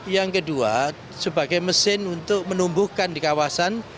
yang kedua sebagai mesin untuk menumbuhkan di kawasan